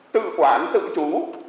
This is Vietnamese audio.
tự quản tự trú